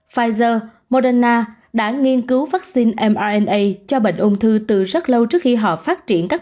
pfizer moderna đã nghiên cứu vaccine mna cho bệnh ung thư từ rất lâu trước khi họ phát triển các